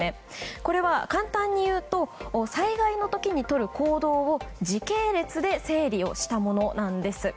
これは簡単に言うと災害の時にとる行動を時系列で整理したものなんです。